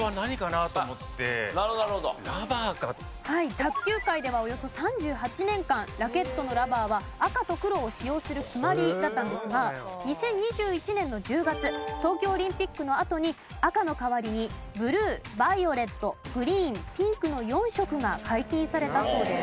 卓球界ではおよそ３８年間ラケットのラバーは赤と黒を使用する決まりだったんですが２０２１年の１０月東京オリンピックのあとに赤の代わりにブルーバイオレットグリーンピンクの４色が解禁されたそうです。